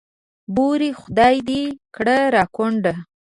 بورې خدای دې کړه را کونډه.